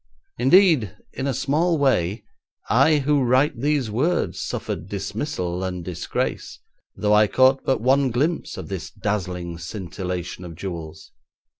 Indeed, in a small way, I who write these words suffered dismissal and disgrace, though I caught but one glimpse of this dazzling scintillation of jewels.